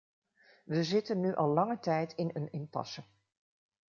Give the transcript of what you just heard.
We zitten nu al lange tijd in een impasse.